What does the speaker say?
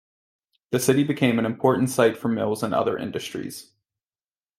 The city became an important site for mills and other industries.